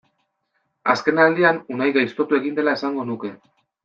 Azkenaldian Unai gaiztotu egin dela esango nuke.